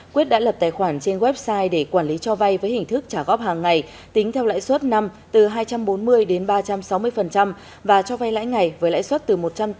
quyết đã lập tài khoản trên website để quản lý cho vay với hình thức trả góp hàng ngày tính theo lãi suất năm từ hai trăm bốn mươi đến ba trăm sáu mươi và cho vay lãi ngày với lãi suất từ một trăm tám mươi